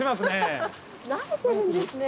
慣れてるんですね。